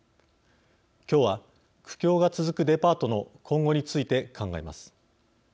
今日は、苦境が続くデパートの今後について考えます。